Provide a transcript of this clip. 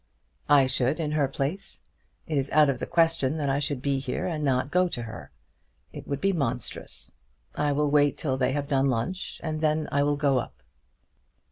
"I should in her place. It is out of the question that I should be here, and not go to her. It would be monstrous. I will wait till they have done lunch, and then I will go up."